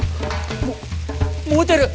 も燃えてる！